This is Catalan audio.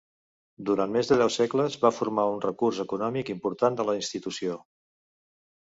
Durant més de deu segles, va formar un recurs econòmic important de la institució.